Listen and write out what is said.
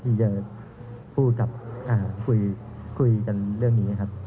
ที่จะพูดกับคุยกันเรื่องนี้ครับ